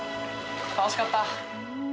楽しかった。